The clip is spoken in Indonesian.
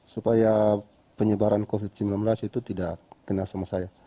supaya penyebaran covid sembilan belas itu tidak kena sama saya